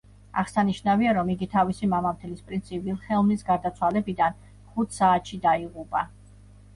აღსანიშნავია, რომ იგი თავისი მამამთილის, პრინცი ვილჰელმის გარდაცვალებიდან ხუთ საათში დაიღუპა.